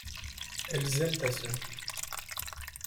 Elles aiment ta sœur.